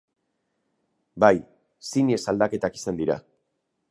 Bai zinez aldaketak izan dira.